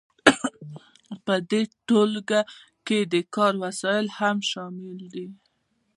په دې ټولګه کې د کار وسایل هم شامل دي.